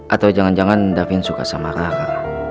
atau jangan jangan davin suka sama kakak